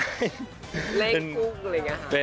เล่นคู่อะไรอย่างนี้ค่ะ